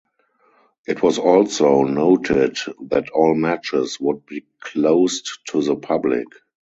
It was also noted that all matches would be closed to the public.